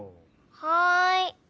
はい。